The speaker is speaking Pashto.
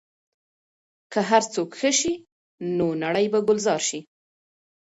که هر څوک ښه شي، نو نړۍ به ګلزار شي.